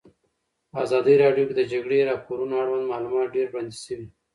په ازادي راډیو کې د د جګړې راپورونه اړوند معلومات ډېر وړاندې شوي.